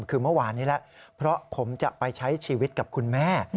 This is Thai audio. คือเมื่อวานนี้แล้วเพราะผมจะไปใช้ชีวิตกับคุณแม่